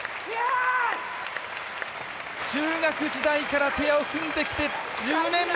中学時代からペアを組んできて１０年目。